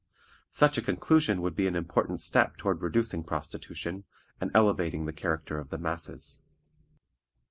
Such a conclusion would be an important step toward reducing prostitution, and elevating the character of the masses.